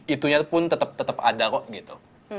itunya pun tetap ada kok gitu